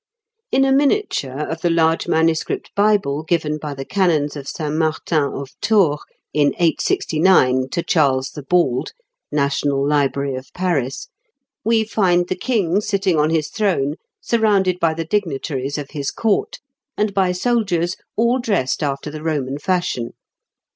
408 to 411). In a miniature of the large MS. Bible given by the canons of Saint Martin of Tours in 869 to Charles the Bald (National Library of Paris), we find the King sitting on his throne surrounded by the dignitaries of his court, and by soldiers all dressed after the Roman fashion.